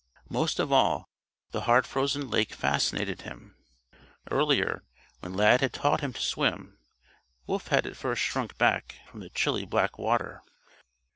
Most of all, the hard frozen lake fascinated him. Earlier, when Lad had taught him to swim, Wolf had at first shrunk back from the chilly black water.